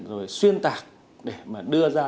rồi xuyên tạc để đưa ra